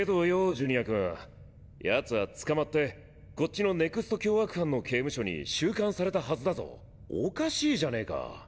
ジュニア君奴は捕まってこっちのＮＥＸＴ凶悪犯の刑務所に収監されたはずだぞおかしいじゃねぇか。